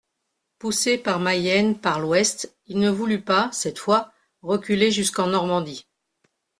Poussé par Mayenne par l'ouest, il ne voulut pas, cette fois, reculer jusqu'en Normandie.